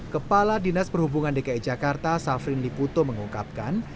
kepala dinas perhubungan dki jakarta safrin liputo mengungkapkan